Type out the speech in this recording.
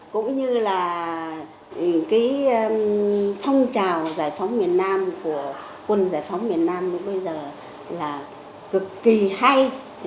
cũng như là cái phong trào giải phóng miền nam của quân giải phóng miền nam bây giờ là cực kỳ hay